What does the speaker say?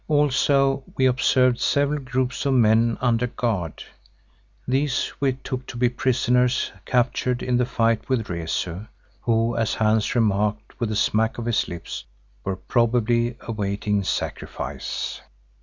Also we observed several groups of men under guard. These we took to be prisoners captured in the fight with Rezu, who, as Hans remarked with a smack of his lips, were probably awaiting sacrifice.